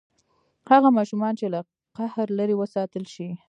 هغه ماشومان چې له قهر لرې وساتل شي.